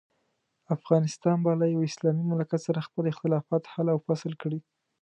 افغانستان به له یوه اسلامي مملکت سره خپل اختلافات حل او فصل کړي.